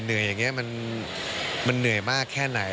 เหนื่อยอย่างเงี้ยมันเหนื่อยมากแค่ไหน